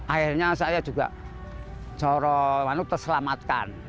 akhirnya saya juga coro lalu terselamatkan